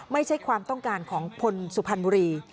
ไม่ใช่ความต้องการของคนสุพรรณบุรี